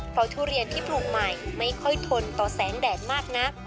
เพราะทุเรียนที่ปลูกใหม่ไม่ค่อยทนต่อแสงแดดมากนัก